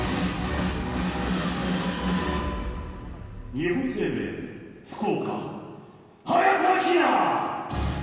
日本生命、福岡早田ひな。